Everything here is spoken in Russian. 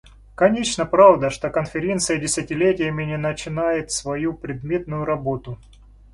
Конечно, правда, что Конференция десятилетиями не начинает свою предметную работу.